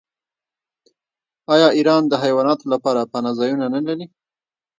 آیا ایران د حیواناتو لپاره پناه ځایونه نلري؟